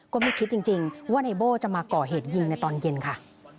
ก็ไม่คิดจริงว่าในโบ้จะมาก่อเหตุยิงในตอนเย็นค่ะ